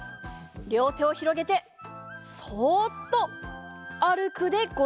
りょうてをひろげてそっとあるくでござる。